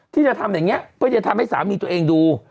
ที่จะทำแบบเนี้ยเพราะจะทำให้สามีตัวเองดู